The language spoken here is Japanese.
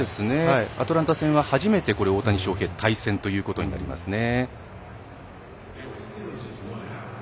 アトランタ戦は初めて、大谷翔平対戦となりますね。